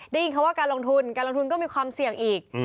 ได้ยินคำว่าการลงทุนการลงทุนก็มีความเสี่ยงอีก